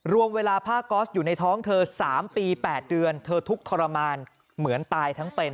รวมเวลาผ้าก๊อสอยู่ในท้องเธอ๓ปี๘เดือนเธอทุกข์ทรมานเหมือนตายทั้งเป็น